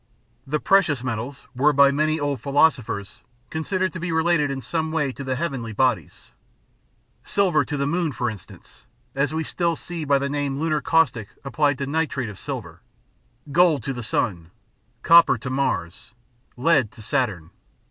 The precious metals were by many old philosophers considered to be related in some way to the heavenly bodies: silver to the moon, for instance as we still see by the name lunar caustic applied to nitrate of silver; gold to the sun, copper to Mars, lead to Saturn.